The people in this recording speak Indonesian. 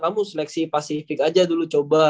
kamu seleksi pasifik aja dulu coba